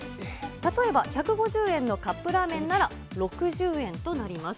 例えば１５０円のカップラーメンなら６０円となります。